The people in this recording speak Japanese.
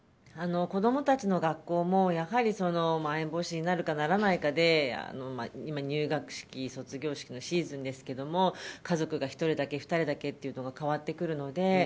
子供たちの学校もやはり、まん延防止になるかならないかで今、入学式や卒業式のシーズンですけど家族が１人だけ、２人だけということが変わってくるので。